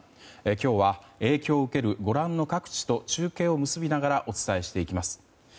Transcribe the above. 今日は影響を受けるご覧の各地と中継を結びながらお伝えしていきます。